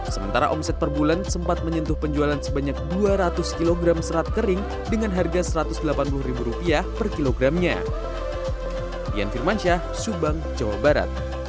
sementara omset per bulan sempat menyentuh penjualan sebanyak dua ratus kg serat kering dengan harga rp satu ratus delapan puluh per kilogramnya